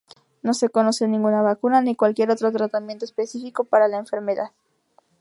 No se conoce ninguna vacuna ni cualquier otro tratamiento específico para la enfermedad.